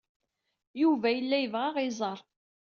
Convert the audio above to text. Yuba yella yebɣa ad aɣ-iẓer.